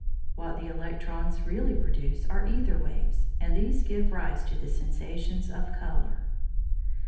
What the electrons really produce are æther waves, and these give rise to the sensations of colour.